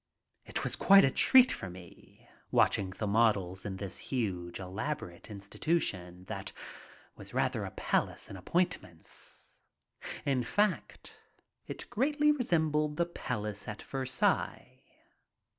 It was quite a treat for me, watching the models in this huge, elaborate institution that was really a palace in ap pointments. In fact, it greatly resembled the palace at Versailles.